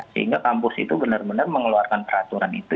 sehingga kampus itu benar benar mengeluarkan peraturan itu